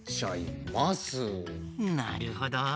なるほど。